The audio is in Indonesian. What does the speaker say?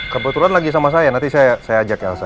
kebetulan lagi sama saya nanti saya ajak ya elsa